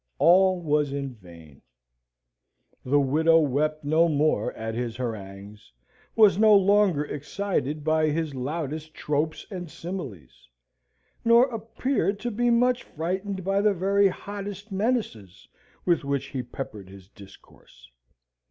All was in vain. The widow wept no more at his harangues, was no longer excited by his loudest tropes and similes, nor appeared to be much frightened by the very hottest menaces with which he peppered his discourse.